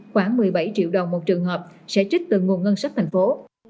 khoảng một mươi bảy triệu đồng một trường hợp sẽ trích từ nguồn ngân sách thành phố